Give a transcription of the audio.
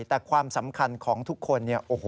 แต่ความสำคัญของทุกคน